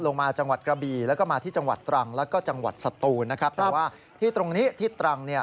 ลงมาจังหวัดกระบีแล้วก็มาที่จังหวัดตรัง